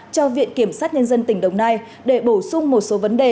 cho viện kiểm sát nhân dân tỉnh đồng nai để bổ sung một số vấn đề